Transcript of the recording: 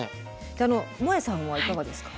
であのもえさんはいかがですか？